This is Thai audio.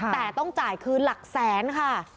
แต่ต้องจ่ายคืนหลักแสนค่ะ